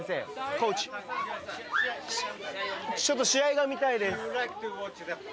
コーチちょっと試合が見たいです